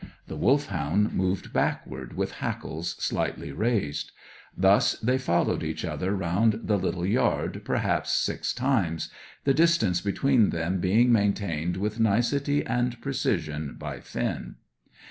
The Wolfhound moved backward, with hackles slightly raised. Thus they followed each other round the little yard perhaps six times, the distance between them being maintained with nicety and precision by Finn.